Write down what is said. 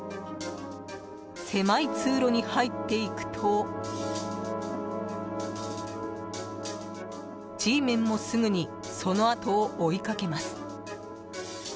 狭い通路に入っていくとＧメンも、すぐにそのあとを追いかけます。